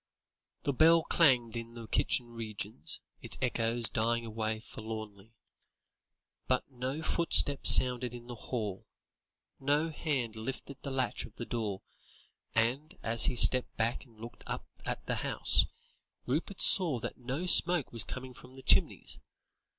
The bell clanged in the kitchen regions, its echoes dying away forlornly, but no footstep sounded in the hall, no hand lifted the latch of the door, and as he stepped back and looked up at the house, Rupert saw that no smoke was coming from the chimneys.